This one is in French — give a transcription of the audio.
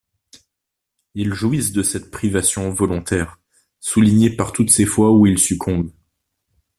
Ils jouissent de cette privation volontaire, soulignée par toutes ces fois où ils succombent.